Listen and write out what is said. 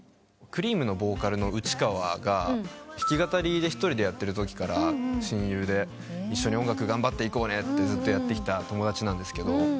Ｋ：ｒｅａｍのボーカルの内川が弾き語りで一人でやってるときから親友で一緒に音楽頑張っていこうねとずっとやってきた友達なんです。